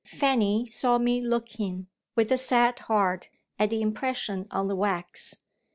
Fanny saw me looking, with a sad heart, at the impression on the wax.